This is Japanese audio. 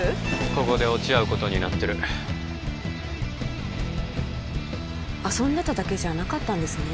ここで落ち合うことになってる遊んでただけじゃなかったんですね